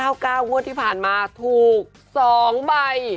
งวดที่ผ่านมาถูก๒ใบ